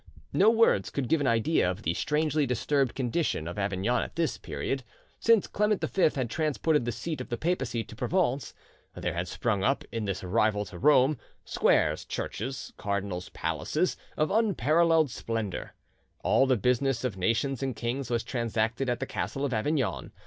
No words could give an idea of the strangely disturbed condition of Avignon at this period. Since Clement V had transported the seat of the papacy to Provence, there had sprung up, in this rival to Rome, squares, churches, cardinals' palaces, of unparalleled splendour. All the business of nations and kings was transacted at the castle of Avignon.